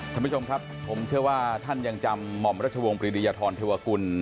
ท่านผู้ชมครับผมเชื่อว่าท่านยังจำหม่อมรัชวงศ์ปรีดียธรเทวกุล